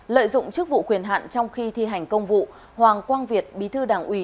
lợi dụng chức vụ quyền hạn trong khi thi hành công vụ hoàng quang việt bí thư đảng ủy